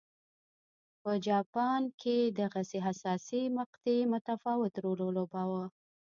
په جاپان کې دغې حساسې مقطعې متفاوت رول ولوباوه.